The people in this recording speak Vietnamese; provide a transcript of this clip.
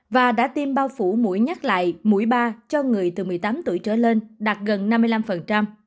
và đã tiêm bao phủ mũi nhắc lại mũi ba cho người từ một mươi tám tuổi trở lên đạt gần năm mươi năm